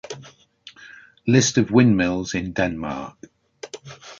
List of windmills in Denmark